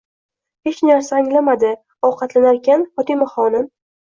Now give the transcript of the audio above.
Hech narsa anglamadi, ovkatlanarkan Fotimaxonim: